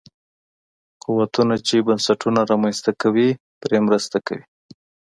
قوتونه چې بنسټونه رامنځته کوي پرې مرسته کوي.